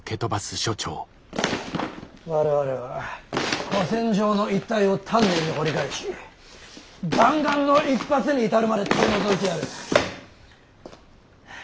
我々は古戦場の一帯を丹念に掘り返し弾丸の一発に至るまで取り除いてやる。